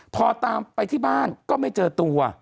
พอตามไปที่บ้านก็ไม่เจอตัว